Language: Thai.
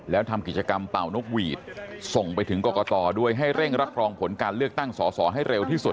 แล้วทำกิจกรรมเป่านกหวีดส่งไปถึงกรกตด้วยให้เร่งรับรองผลการเลือกตั้งสอสอให้เร็วที่สุด